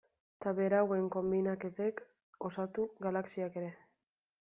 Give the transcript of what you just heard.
Eta berauen konbinaketek osatu galaxiak ere.